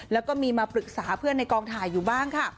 แล้วก็มีมาปรึกษาเพื่อนในกองถ่ายอยู่บ้างค่ะ